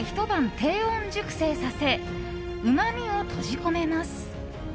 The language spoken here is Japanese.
低温熟成させうまみを閉じ込めます。